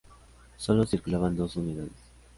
Solo circulaban dos unidades.